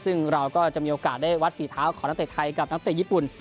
ซึ่งเราก็จะมีโอกาสได้วัดฝีเท้าของนักเตะไทยกับนักเตะญี่ปุ่น